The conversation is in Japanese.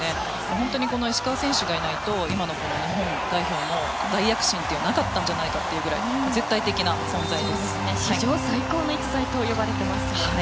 本当に石川選手がいないと今の日本代表の大躍進はなかったんじゃないかというぐらい史上最高の逸材と呼ばれていますよね。